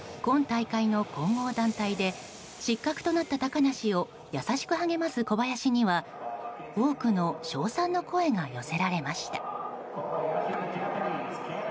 今大会の混合団体で失格となった高梨を優しく励ます小林には多くの称賛の声が寄せられました。